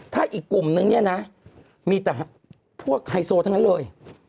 ถ้าอีกกลุ่มนึงเนี่ยนะมีแต่พวกไฮโซทั้งนั้นเลย